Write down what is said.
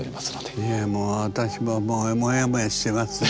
いえもうあたしももうモヤモヤしてますよ。